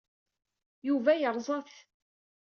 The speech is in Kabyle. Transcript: Yuba yerẓa-t.